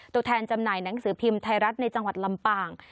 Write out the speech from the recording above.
ตัวแทนจำหน่ายหนังสือพิมพ์ไทยรัฐในจังหวัดลำปาง